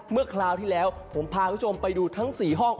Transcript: เมื่อคราวที่แล้วผมพาผู้ชมไปดูทั้ง๔ห้อง